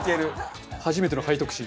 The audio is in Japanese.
初めての背徳心。